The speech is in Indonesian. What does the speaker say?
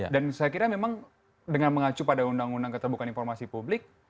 dan saya kira memang dengan mengacu pada undang undang keterbukaan informasi publik